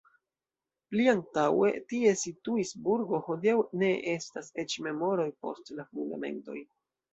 Pli antaŭe tie situis burgo, hodiaŭ ne estas eĉ memoroj post la fundamentoj.